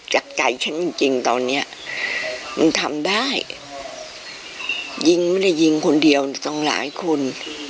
จากใจฉันจริงจริงตอนเนี้ยมันทำได้ยิงไม่ได้ยิงคนเดียวต้องหลายคน